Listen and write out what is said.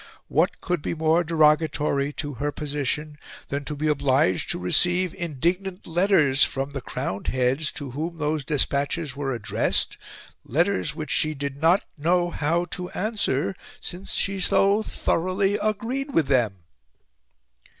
What could be more derogatory to her position than to be obliged to receive indignant letters from the crowned heads to whom those despatches were addressed letters which she did not know how to answer, since she so thoroughly agreed with them?